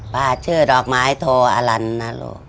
ชื่อดอกไม้โทอลันนะลูก